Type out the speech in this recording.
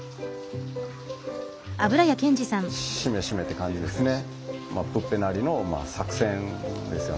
しめしめって感じですね。